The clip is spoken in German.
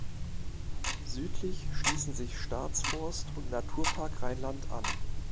Südlich schließen sich Staatsforst und Naturpark Rheinland an.